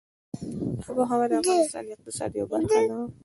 آب وهوا د افغانستان د اقتصاد یوه برخه ده.